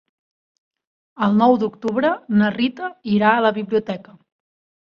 El nou d'octubre na Rita irà a la biblioteca.